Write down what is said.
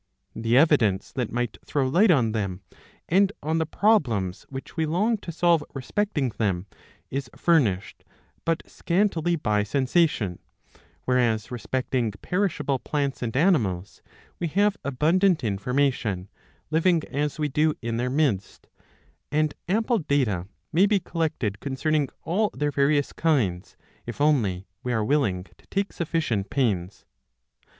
The evidence that might throw light on them, and on the problems which we long to solve respecting them, is furnished but scantily by sensation ; whereas respecting perishable plants and animals we have abundant information, living as we do in their midst, and ample data may be collected concerning all their various kinds, if only we are willing to take sufficient pains.